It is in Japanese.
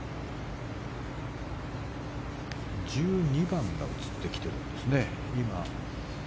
１２番が映ってきていますね。